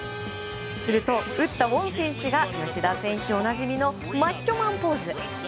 すると、打ったウォン選手が吉田選手おなじみのマッチョマンポーズ。